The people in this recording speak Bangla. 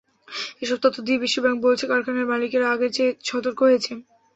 এসব তথ্য দিয়ে বিশ্বব্যাংক বলছে, কারখানার মালিকেরা আগের চেয়ে সতর্ক হয়েছেন।